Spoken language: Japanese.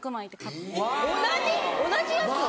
同じやつを？